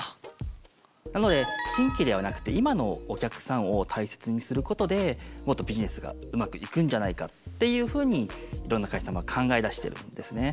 なので新規ではなくて今のお客さんを大切にすることでもっとビジネスがうまくいくんじゃないかっていうふうにいろんな会社様が考え出してるんですね。